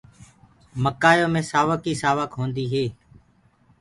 مڪآيو مي سآوڪ ئي هوندي هي